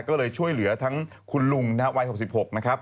ก็เลยช่วยเหลือทั้งคุณลุงนะครับวัย๖๖นะครับ